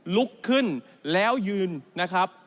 ลุกขึ้นแล้วยืนนะครับ